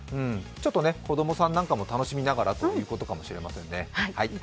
子供さんなんかも楽しみながらということかもしれませんね。